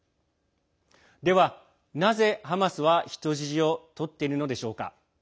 では、なぜハマスは人質を取っているのでしょうか。